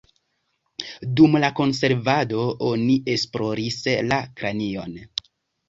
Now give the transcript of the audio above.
Dum la konservado oni esploris la kranion.